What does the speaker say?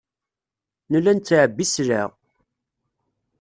Nella nettɛebbi sselɛa.